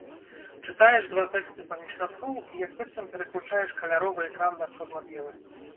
Чытаеш два тэксты паміж радкоў і як быццам пераключаеш каляровы экран на чорна-белы.